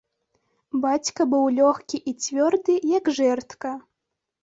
Бацька быў лёгкі і цвёрды, як жэрдка.